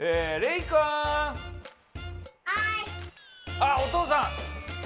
あっお父さん。